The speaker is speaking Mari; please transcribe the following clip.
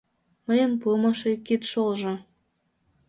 Мыйын пуымо ший кидшолжо